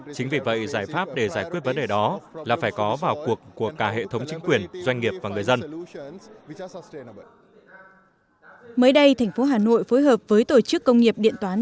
chính vì vậy giải pháp để giải quyết vấn đề đó là phải có vào cuộc của cả hệ thống chính quyền doanh nghiệp và người dân